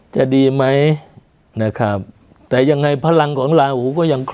จะดีมั้ยนะครับแต่ยังไงพลังของลาอูก็ยังไงนะครับ